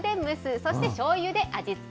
そしてしょうゆで味付け。